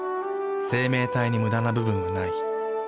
生命体にムダな部分はない。